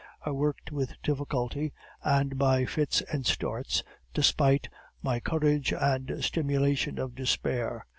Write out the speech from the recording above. I worked with difficulty, and by fits and starts, despite my courage and the stimulation of despair.